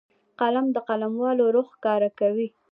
قلم د قلموالو روح ښکاره کوي